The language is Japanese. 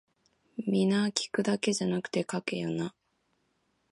皆聞くだけじゃなくて書けよな